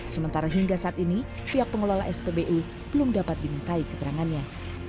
sementara hingga saat ini pihak pengelola spbu belum dapat dimintai keterangannya